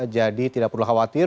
jadi tidak perlu khawatir